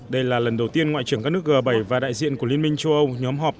đây là lần đầu tiên ngoại trưởng các nước g bảy và đại diện của liên minh châu âu nhóm họp